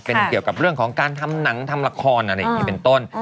เป็นเกี่ยวกับเรื่องของการทำหนังทำละครอะไรอย่างนี้เป็นต้น